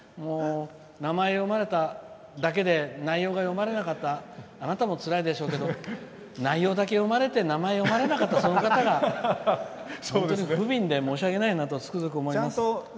名前を呼ばれただけで内容を読まれなかったあなたも、つらいでしょうけど内容だけ読まれれて名前が読まれなかったその方が本当に、ふびんで申し訳ないなと思います。